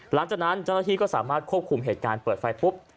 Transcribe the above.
หลังจากนั้นเจ้าหน้าที่ก็สามารถควบคุมเหตุการณ์เปิดไฟปุ๊บ